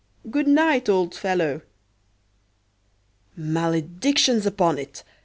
Good night, old fellow!" Maledictions upon it!